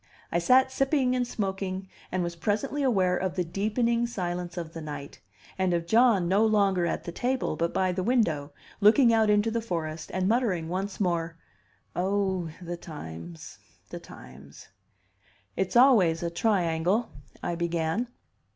I sat sipping and smoking, and was presently aware of the deepening silence of the night, and of John no longer at the table, but by the window, looking out into the forest, and muttering once more, "Oh, the times, the times!" "It's always a triangle," I began.